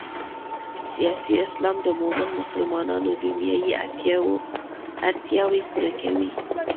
سیاسي اسلام د مومنو مسلمانانو دنیايي اړتیاوې پوره کوي.